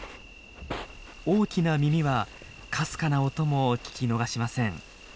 大きな耳はかすかな音も聞き逃しません。